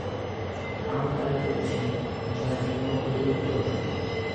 আমি তাই করেছি যা যেকোনো কুকুরই করবে।